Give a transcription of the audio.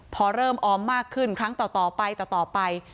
พอเริ่มออมมากขึ้นครั้งต่อไปต่อไป